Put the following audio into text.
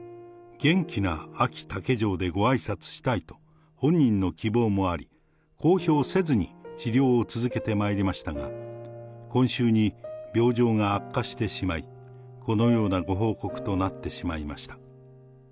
元気なあき竹城でごあいさつしたいと、本人の希望もあり、公表せずに治療を続けてまいりましたが、今秋に病状が悪化してしまい、このようなご報告となってしまいました。